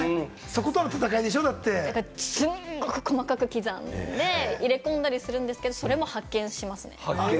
すんごく細かく刻んで入れ込んだりするんですけれども、それも発見しますね。